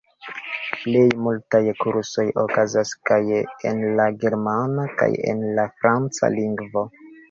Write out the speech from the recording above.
La plej multaj kursoj okazas kaj en la germana kaj en la franca lingvo.